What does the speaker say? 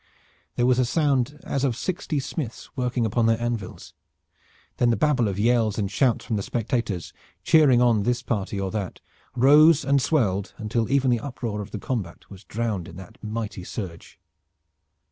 There was a sound as of sixty smiths working upon their anvils. Then the babel of yells and shouts from the spectators, cheering on this party or that, rose and swelled until even the uproar of the combat was drowned in that mighty surge.